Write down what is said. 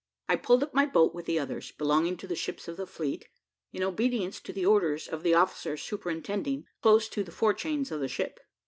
I pulled up my boat with the others belonging to the ships of the fleet, in obedience to the orders of the officer superintending, close to the fore chains of the ship.